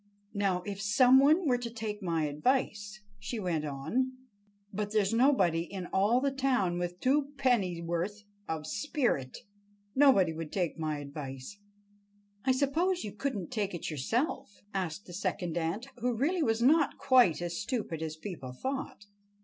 "Now, if some one were to take my advice," she went on, "but there's nobody in all the town with two pennyworth of spirit. Nobody would take my advice." "I suppose you couldn't take it yourself?" asked the second ant, who really was not quite as stupid as people thought.